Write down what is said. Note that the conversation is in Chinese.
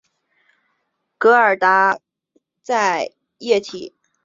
戈达德在液体火箭的研究上取得过很多开创性成果。